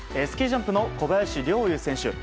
スキージャンプの小林陵侑選手。